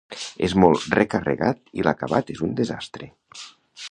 És molt recarregat i l'acabat és un desastre.